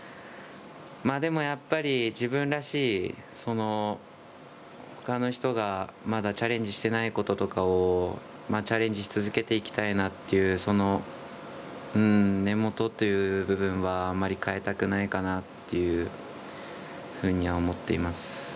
やっぱり自分らしいほかの人がまだチャレンジしていないこととかをチャレンジし続けていきたいなというその根元という部分はあまり変えたくないかなというふうには思っています。